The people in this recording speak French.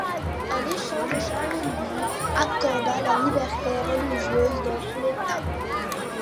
En échange, Charles lui accorda la liberté religieuse dans son État.